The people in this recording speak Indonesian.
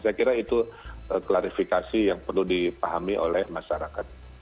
saya kira itu klarifikasi yang perlu dipahami oleh masyarakat